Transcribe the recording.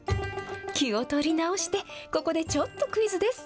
気を取り直して、ここでちょっとクイズです。